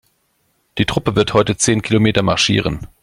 Die Truppe wird heute zehn Kilometer marschieren.